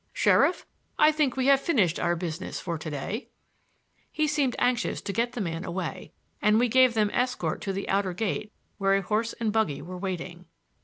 Sheriff, I think we have finished our business for to day." He seemed anxious to get the man away, and we gave them escort to the outer gate where a horse and buggy were waiting.